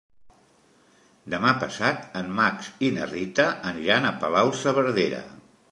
Demà passat en Max i na Rita aniran a Palau-saverdera.